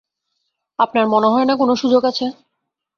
আপনার মনে হয় না কোন সুযোগ আছে?